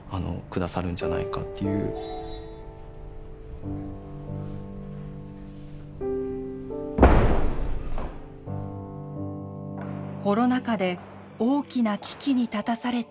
コロナ禍で大きな危機に立たされた修二会。